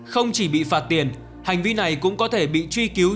không chỉ bị phạt tiền hành vi này cũng có thể bị truy cứu